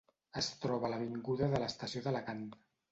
Es troba a l'avinguda de l'Estació d'Alacant.